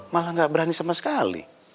malah nggak berani sama sekali